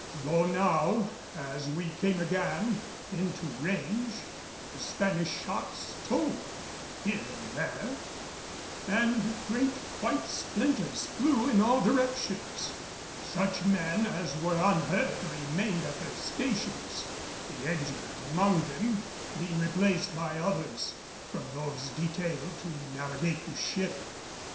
Though now, as we came again into range, the Spanish shots told here and there, and great white splinters flew in all directions, such men as were unhurt remained at their stations, the injured among them being replaced by others from those detailed to navigate the ship.